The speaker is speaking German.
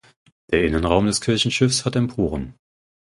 Der Innenraum des Kirchenschiffs hat Emporen.